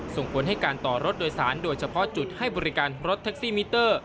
ส่งผลให้การต่อรถโดยสารโดยเฉพาะจุดให้บริการรถแท็กซี่มิเตอร์